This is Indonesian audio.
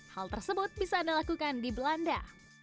hal tersebut bisa dilakukan di belanda